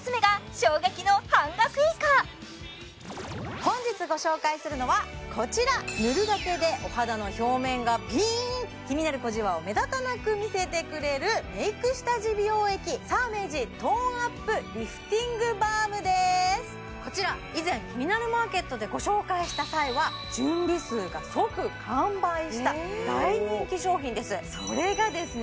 本日ご紹介するのはこちら塗るだけでお肌の表面がピーン気になる小じわを目立たなく見せてくれるこちら以前「キニナルマーケット」でご紹介した際は準備数が即完売した大人気商品ですそれがですね